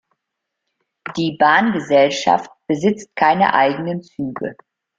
Die Bahngesellschaft besitzt keine eigenen Züge.